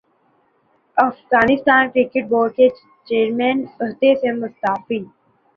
Afghanistan cricket board کے chairman عہدے سے مستعفی